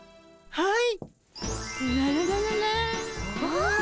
はい。